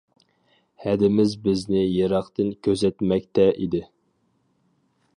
ھەدىمىز بىزنى يىراقتىن كۆزەتمەكتە ئىدى.